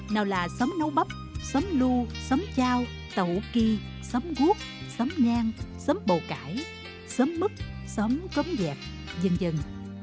nào là xóm nấu bắp xóm lưu xóm chao tàu hủ kia xóm guốc xóm nhan xóm bầu cải xóm mứt xóm cấm dẹp dần dần